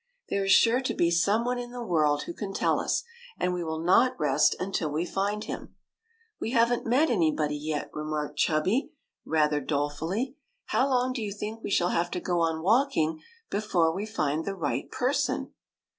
" There .is sure to be some WENT TO THE MOON 169 one in the world who can tell us, and we will not rest until we find him/' " We have n't met anybody yet," remarked Chubby, rather dolefully. *' How long do you think we shall have to go on walking before we find the right person